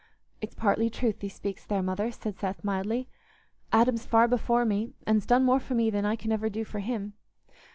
"It's partly truth thee speak'st there, Mother," said Seth, mildly; "Adam's far before me, an's done more for me than I can ever do for him.